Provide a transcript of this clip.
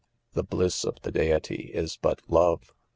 ' The Hiss of the deity is but love.